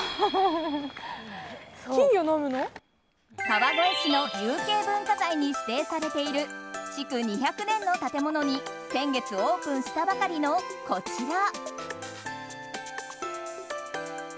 川越市の有形文化財に指定されている築２００年の建物に先月オープンしたばかりのこちら。